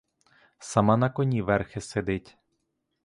Сама на коні верхи сидить.